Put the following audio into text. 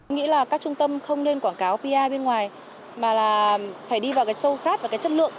nghĩ là các trung tâm không nên quảng cáo pi bên ngoài mà là phải đi vào cái sâu sát và cái chất lượng